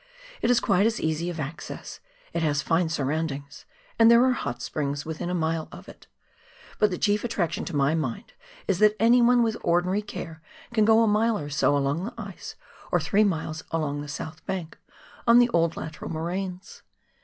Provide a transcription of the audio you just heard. It is quite as easy of access, it has fine surroundings, and there are hot springs within a mile of it ; but the chief attraction to my mind is, that anyone with ordinary care can go a mile or so along the ice, or three miles along the south bank on the old lateral moraines.